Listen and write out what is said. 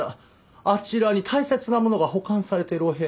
あちらに大切なものが保管されているお部屋が。